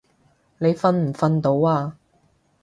你瞓唔瞓到啊？